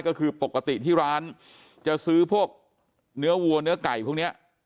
ก็คือปกติที่ร้านจะซื้อพวกเนื้อวัวเนื้อไก่พวกนี้